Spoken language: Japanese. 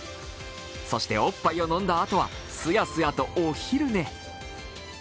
そしておっぱいを飲んだあとは、すやすやとお昼寝。